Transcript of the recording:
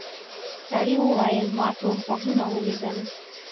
سړي وویل ما تور غوږونه ولیدل.